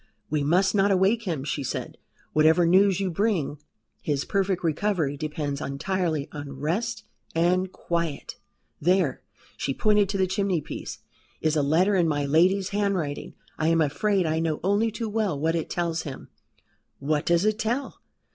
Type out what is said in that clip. "We must not awake him," she said, "whatever news you bring. His perfect recovery depends entirely on rest and quiet. There" she pointed to the chimneypiece "is a letter in my lady's handwriting. I am afraid I know only too well what it tells him." "What does it tell?"